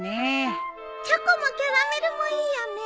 チョコもキャラメルもいいよね。